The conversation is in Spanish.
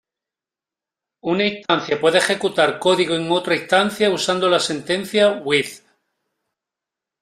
Una instancia puede ejecutar código en otra instancia usando la sentencia "with".